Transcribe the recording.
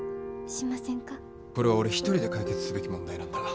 これは俺一人で解決すべき問題なんだ。